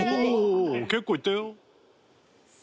結構いったよ。